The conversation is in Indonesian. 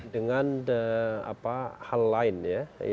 dengan hal lain ya